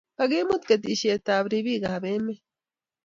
Kakimut kiteshiet ab ribik ab emet